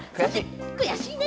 悔しいね。